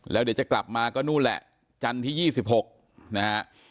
แล้วเดี๋ยวจะกลับมาก็นู่นแหละจันทร์ที่๒๖นะฮะ